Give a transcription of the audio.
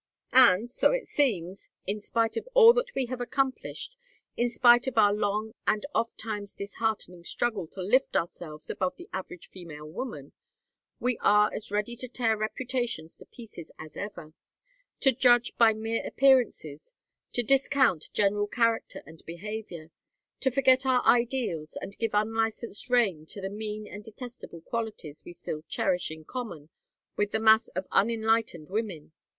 "And so it seems! in spite of all that we have accomplished, in spite of our long and ofttimes disheartening struggle to lift ourselves above the average female woman, we are as ready to tear reputations to pieces as ever, to judge by mere appearances, to discount general character and behavior, to forget our ideals and give unlicensed rein to the mean and detestable qualities we still cherish in common with the mass of unenlightened women.